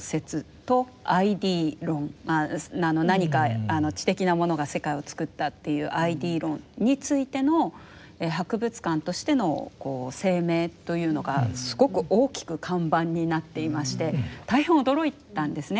何か知的なものが世界をつくったっていうＩＤ論についての博物館としての声明というのがすごく大きく看板になっていまして大変驚いたんですね。